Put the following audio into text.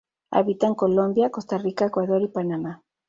Habita en Colombia, Costa Rica, Ecuador y Panamá.